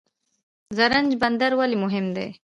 زرنج بندر ولې مهم دی؟